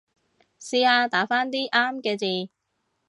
試下打返啲啱嘅字